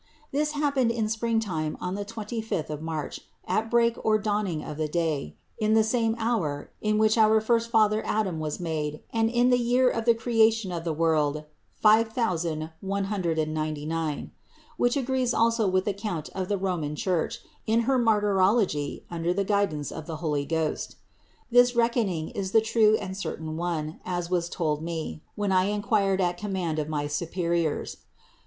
This happened in springtime on the twenty fifth of March, at break or dawning of the day, in the same hour, in which our first father Adam was made and in the year of the creation of the world 5199, which agrees also with the count of the Roman Church in her Marty rology under the guidance of the Holy Ghost. This reckoning is the true and certain one, as was told me, when I inquired at command of my supe riors.